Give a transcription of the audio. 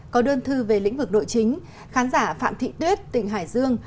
có đơn thư về lĩnh vực nội chính khán giả phạm thị tuyết tỉnh hải dương